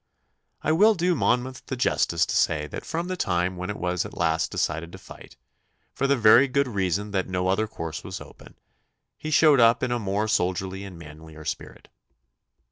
I will do Monmouth the justice to say that from the time when it was at last decided to fight for the very good reason that no other course was open he showed up in a more soldierly and manlier spirit.